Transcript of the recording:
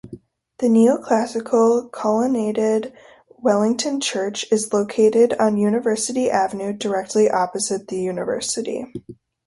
The neoclassical colonnaded Wellington Church is located on University Avenue, directly opposite the University.